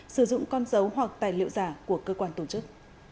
sử dụng con dấu hoặc tài liệu giả của cơ quan tổ chức